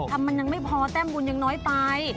ถ้ามันยังไม่พอแต้มบุญยังน้อยไป